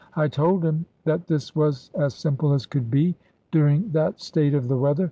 I told him that this was as simple as could be, during that state of the weather.